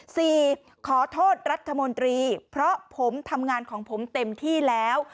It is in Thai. ขอโทษรัฐมนตรีเพราะผมทำงานของผมเต็มที่แล้ว